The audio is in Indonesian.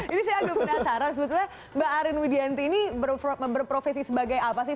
ini saya agak penasaran sebetulnya mbak arin widianti ini berprofesi sebagai apa sih